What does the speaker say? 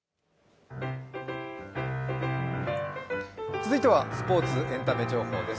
続いてはスポーツ・エンタメ情報です。